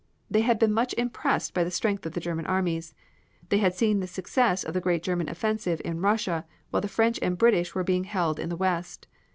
They had been much impressed by the strength of the German armies. They had seen the success of the great German offensive in Russia, while the French and British were being held in the West.